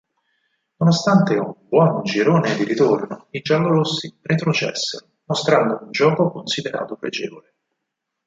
Nonostante un buon girone di ritorno, i giallorossi retrocessero mostrando un gioco considerato pregevole.